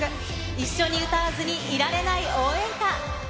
一緒に歌わずにいられない応援歌。